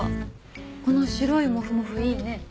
この白いモフモフいいね。